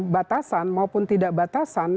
batasan maupun tidak batasan